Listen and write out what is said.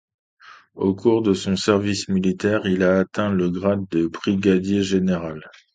Au cours de son service militaire, il a atteint le grade de Brigadier Général.